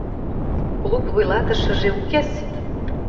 — Клуб вуйлатышыже укес!